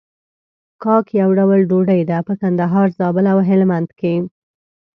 کاک يو ډول ډوډۍ ده په کندهار، زابل او هلمند کې.